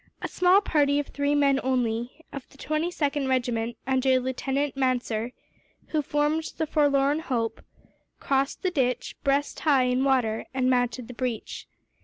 A small party of twenty three men only of the 22nd Regiment, under Lieutenant Manser who formed the forlorn hope, crossed the ditch, breast high in water, and mounted the breach.